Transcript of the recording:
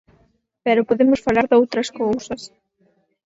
Pero podemos falar doutras cousas.